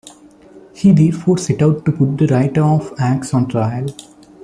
He therefore set out to put the writer of Acts on trial.